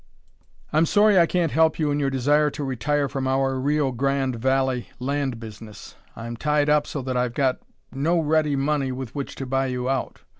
"I'm sorry I can't help you in your desire to retire from our Rio Grande valley land business. I'm tied up so that I've got no ready money with which to buy you out.